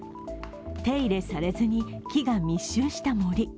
手入れされずに木が密集した森。